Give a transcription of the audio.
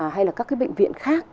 hay là các cái bệnh viện khác